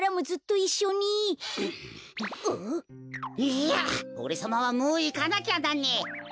いやおれさまはもういかなきゃなんねえ。